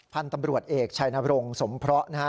พันธุ์ตำรวจเอกชัยนรงสมเพราะนะฮะ